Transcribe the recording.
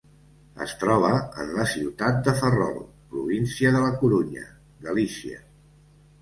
Es troba en la ciutat de Ferrol, província de La Corunya, Galícia.